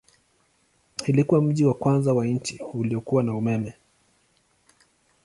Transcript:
Ilikuwa mji wa kwanza wa nchi uliokuwa na umeme.